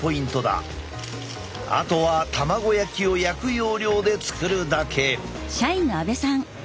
あとは卵焼きを焼く要領で作るだけ。